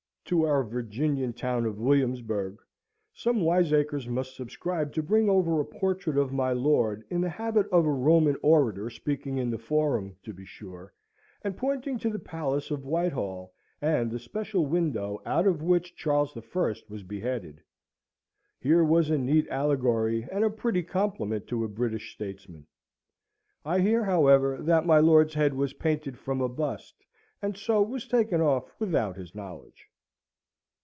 To our Virginian town of Williamsburg, some wiseacres must subscribe to bring over a portrait of my lord, in the habit of a Roman orator speaking in the Forum, to be sure, and pointing to the palace of Whitehall, and the special window out of which Charles I. was beheaded! Here was a neat allegory, and a pretty compliment to a British statesman! I hear, however, that my lord's head was painted from a bust, and so was taken off without his knowledge.